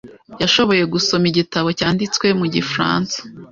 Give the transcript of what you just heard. Yashoboye gusoma igitabo cyanditswe mu gifaransa .